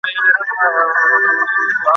স্বর যেন আছড়ে পড়ল আমার বুকে।